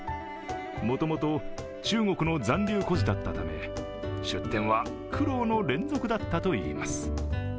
もともと中国の残留孤児だったため、出店は苦労の連続だったといいます。